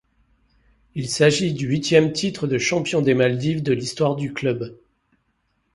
Il s'agit du huitième titre de champion des Maldives de l'histoire du club.